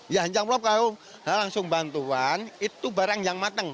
ya jangan lupa kalau langsung bantuan itu barang yang matang